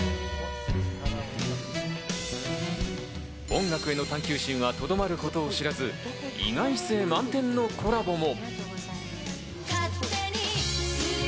音楽への探究心はとどまることを知らず、意外性満点のコラボも。